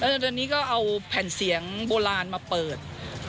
ตอนนี้ก็เอาแผ่นเสียงโบราณมาเปิด